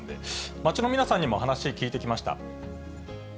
街の皆さんにも話、聞いてきました。